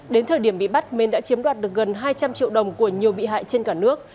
đến thời điểm bị bắt minh đã chiếm đoạt được gần hai trăm linh triệu đồng của nhiều bị hại trên cả nước